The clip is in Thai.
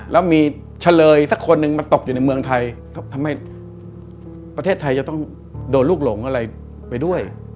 แล้วมีเฉลยสักคนหนึ่งมาตกอยู่ในเมืองไทยทำให้ประเทศไทยจะต้องโดนลูกหลงอะไรไปด้วย